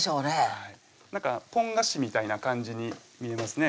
はいなんかポン菓子みたいな感じに見えますね